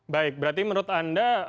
baik berarti menurut anda